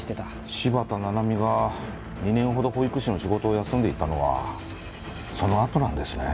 柴田七海が２年ほど保育士の仕事を休んでいたのはそのあとなんですね。